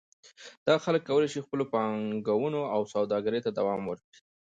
دغه خلک کولای شي خپلو پانګونو او سوداګرۍ ته دوام ورکړي.